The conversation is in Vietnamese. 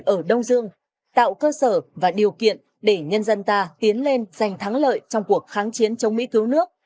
ở đông dương tạo cơ sở và điều kiện để nhân dân ta tiến lên giành thắng lợi trong cuộc kháng chiến chống mỹ cứu nước